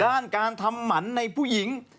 ด้านการทำหมันในผู้หญิง